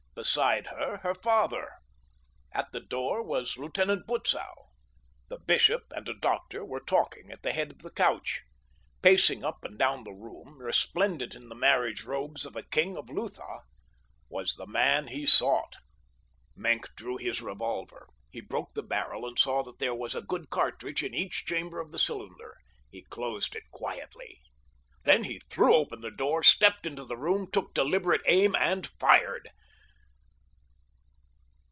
Beside her her father. At the door was Lieutenant Butzow. The bishop and a doctor were talking at the head of the couch. Pacing up and down the room, resplendent in the marriage robes of a king of Lutha, was the man he sought. Maenck drew his revolver. He broke the barrel, and saw that there was a good cartridge in each chamber of the cylinder. He closed it quietly. Then he threw open the door, stepped into the room, took deliberate aim, and fired.